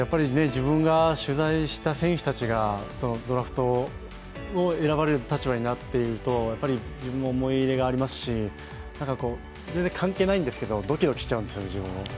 自分が取材した選手たちがドラフト選ばれる立場になっていると自分も思い入れがありますし、全然関係ないんですけど、ドキドキしちゃうんですよね、自分も。